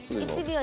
１秒！